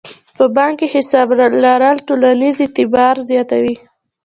په بانک کې حساب لرل ټولنیز اعتبار زیاتوي.